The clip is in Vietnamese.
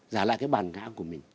giả lại cái bàn gã của mình